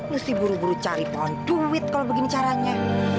mesti buru buru cari pohon duit kalau begini caranya